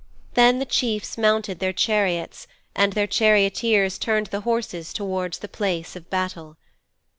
Then the chiefs mounted their chariots, and their charioteers turned the horses towards the place of battle.'